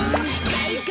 かいか！